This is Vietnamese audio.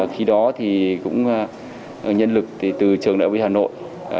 khi đó thì cũng nhân lực từ trường đại học hà nội